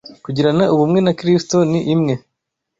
kugirana ubumwe na Kristo ni imwe